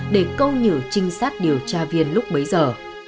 để câu nhử trinh sát điều tra viên lúc bấy giờ